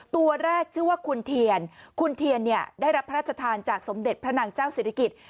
ตัวแรกชื่อว่าคุณเทียนคุณเทียนเนี่ยได้รับพระราชทานจากสมเด็จพระนางเจ้าศิริกิจ